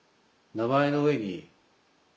名前の上に。